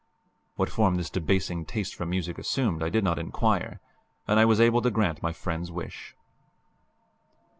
What form this debasing taste for music assumed I did not inquire; and I was able to grant my friend's wish.